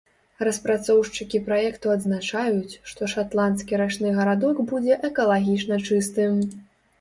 Распрацоўшчыкі праекту адзначаюць, што шатландскі рачны гарадок будзе экалагічна чыстым.